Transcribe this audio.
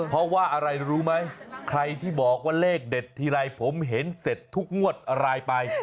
เพราะว่าอะไรรู้ไหมใครที่บอกว่าเลขเด็ดทีไรผมเห็นเสร็จทุกงวดอะไรไป